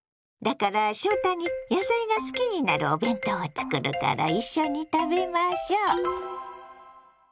だから翔太に野菜が好きになるお弁当を作るから一緒に食べましょう！